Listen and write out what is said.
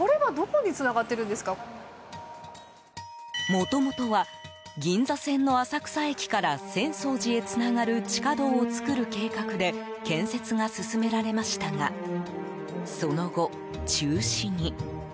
もともとは銀座線の浅草駅から浅草寺へつながる地下道を作る計画で建設が進められましたがその後、中止に。